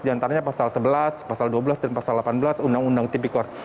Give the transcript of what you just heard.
diantaranya pasal sebelas pasal dua belas dan pasal delapan belas undang undang tipikor